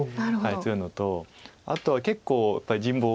強いのとあとは結構やっぱり人望。